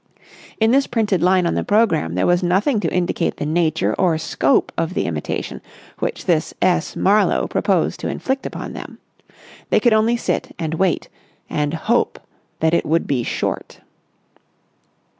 In this printed line on the programme there was nothing to indicate the nature or scope of the imitation which this S. Marlowe proposed to inflict upon them. They could only sit and wait and hope that it would be short.